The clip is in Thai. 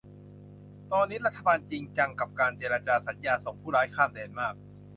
ตอนนี้รัฐบาลจริงจังกับการเจรจาสัญญาส่งผู้ร้ายข้ามแดนมาก